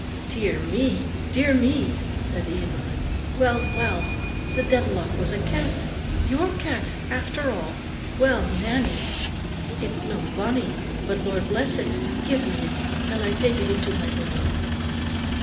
"Dear me! dear me!" said the invalid. "Well, well; and the deevilock was a cat your cat after all. Well, Nannie, it's no bonnie; but, Lord bless it, give me it, till I take it into my bosom."